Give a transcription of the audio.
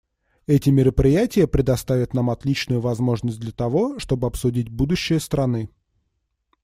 Эти мероприятия предоставят нам отличную возможность для того, чтобы обсудить будущее страны.